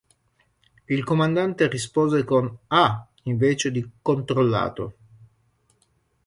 Il comandante rispose con "Ah" invece di "controllato".